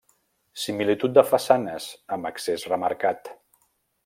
Similitud de façanes amb accés remarcat.